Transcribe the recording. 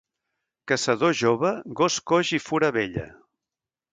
Caçador jove, gos coix i fura vella.